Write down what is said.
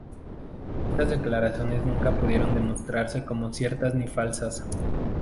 Estas declaraciones nunca pudieron demostrarse como ciertas ni falsas.